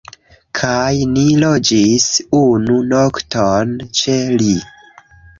Kaj ni loĝis unu nokton ĉe li